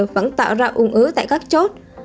vẫn tạo ra ủng ứ tại các chốt